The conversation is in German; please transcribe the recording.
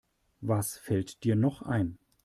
Was fällt dir noch ein?